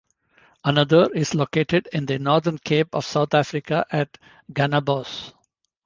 Another is located in the Northern Cape of South Africa at Gannabos.